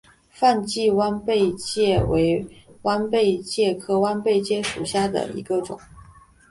范蠡弯贝介为弯贝介科弯贝介属下的一个种。